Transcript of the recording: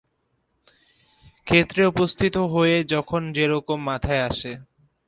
ক্ষেত্রে উপস্থিত হয়ে যখন যেরকম মাথায় আসে।